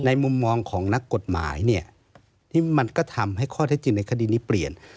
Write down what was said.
มุมมองของนักกฎหมายเนี่ยที่มันก็ทำให้ข้อเท็จจริงในคดีนี้เปลี่ยน